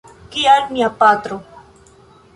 Kiel mia patro.